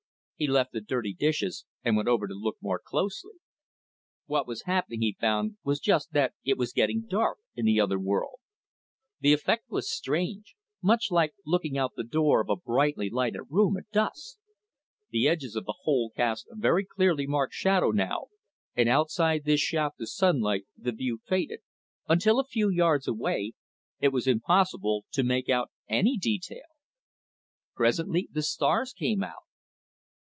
He left the dirty dishes and went over to look more closely. What was happening, he found, was just that it was getting dark in the other world. The effect was strange, much like looking out the door of a brightly lighted room at dusk. The edges of the hole cast a very clearly marked shadow now, and outside this shaft of sunlight the view faded, until a few yards away it was impossible to make out any detail. Presently the stars came out.